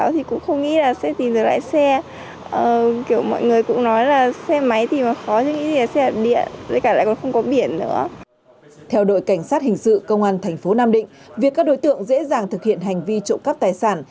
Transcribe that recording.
theo đội cảnh sát hình sự công an thành phố nam định việc các đối tượng dễ dàng thực hiện hành vi trộm cắp tài sản